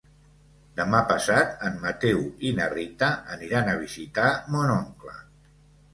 Demà passat en Mateu i na Rita aniran a visitar mon oncle.